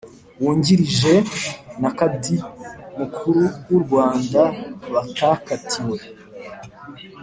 wungirije na Qadhi Mukuru w u Rwanda batakatiwe